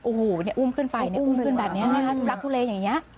โอ้โหอุ้มขึ้นไปอุ้มขึ้นแบบนี้นะคะทุลักทุเลอย่างนี้